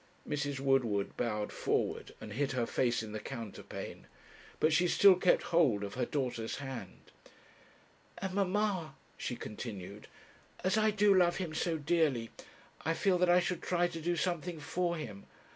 Mrs. Woodward bowed forward, and hid her face in the counterpane, but she still kept hold of her daughter's hand. 'And, mamma,' she continued, 'as I do love him so dearly, I feel that I should try to do something for him.